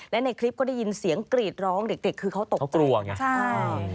และในคลิปก็ได้ยินเสียงกรีดร้องเด็กคือเขาตกกลัวไงใช่